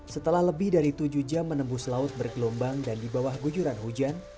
setelah lebih dari tujuh jam menembus laut bergelombang dan di bawah gujuran hujan